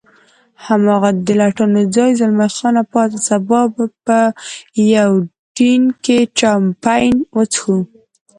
هماغه د لټانو ځای، زلمی خان پاڅه، سبا به په یوډین کې چامپېن وڅښو.